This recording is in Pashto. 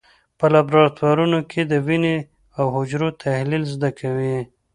په لابراتوارونو کې د وینې او حجرو تحلیل زده کوي.